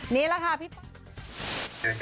นี่แหละค่ะ